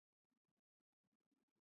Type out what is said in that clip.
იგი საქართველოში ყველგან იზრდება.